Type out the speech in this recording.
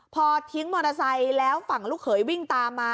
พอทิ้งมอเตอร์ไซค์แล้วฝั่งลูกเขยวิ่งตามมา